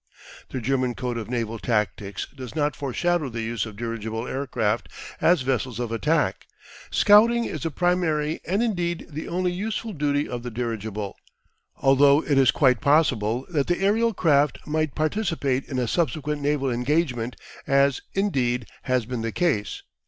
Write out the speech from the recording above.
The German code of naval tactics does not foreshadow the use of dirigible aircraft as vessels of attack. Scouting is the primary and indeed the only useful duty of the dirigible, although it is quite possible that the aerial craft might participate in a subsequent naval engagement, as, indeed, has been the case.